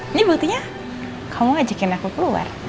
ini buktinya kamu ngajakin aku keluar